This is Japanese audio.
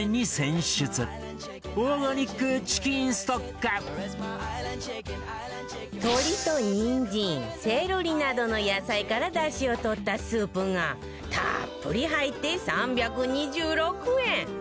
オーガニックチキンストック鶏とにんじんセロリなどの野菜から出汁を取ったスープがたっぷり入って３２６円